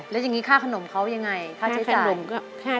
แล้วยังงี้ค่าขนมเขายังไงค่าใช้จ่าย